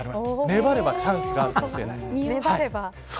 粘ればチャンスがあるかもしれない。